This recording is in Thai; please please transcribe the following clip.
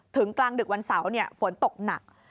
กลางดึกวันเสาร์ฝนตกหนัก